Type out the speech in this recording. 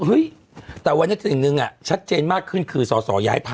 เฮ้ยแต่วันนี้สิ่งหนึ่งชัดเจนมากขึ้นคือสอสอย้ายพัก